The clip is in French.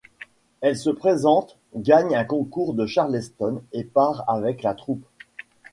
Elle se présente, gagne un concours de charleston et part avec la troupe.